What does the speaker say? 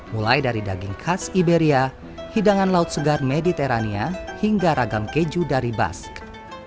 mulai dari daging khas iberia hidangan laut segar mediterania hingga ragam keju dari basket